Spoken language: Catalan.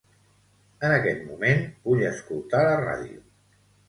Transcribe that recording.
En aquest moment vull escoltar la ràdio.